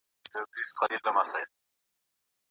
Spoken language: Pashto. په روڼو سترګو سمه لاره پرېږدي ځي کوهي ته